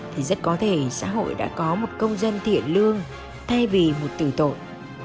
thì rất có thể xã hội đã có một công dân thiện lương thay vì một tử tội